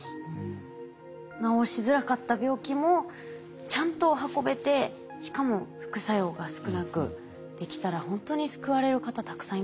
治しづらかった病気もちゃんと運べてしかも副作用が少なくできたらほんとに救われる方たくさんいますよね。